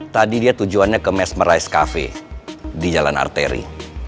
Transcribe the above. tadi dia tujuannya ke mesmerize cafe di jalan arteri